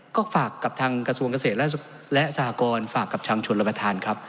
ก็ฝากกับทางกระทรวงเกษตรและสหกรณ์ฝากกับทางชนรับประทานครับ